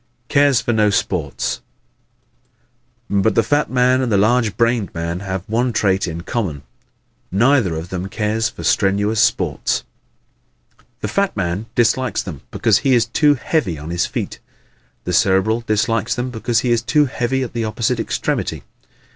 Cares for No Sports ¶ But the fat man and the large brained man have one trait in common. Neither of them cares for strenuous sports. The fat man dislikes them because he is too "heavy on his feet." The Cerebral dislikes them because he is too heavy at the opposite extremity.